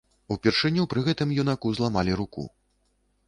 Упершыню пры гэтым юнаку зламалі руку.